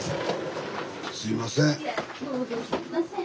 すいません。